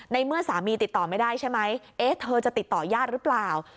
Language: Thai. เมื่อสามีติดต่อไม่ได้ใช่ไหมเอ๊ะเธอจะติดต่อญาติหรือเปล่า